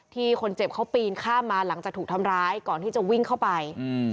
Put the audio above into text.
คนเจ็บเขาปีนข้ามมาหลังจากถูกทำร้ายก่อนที่จะวิ่งเข้าไป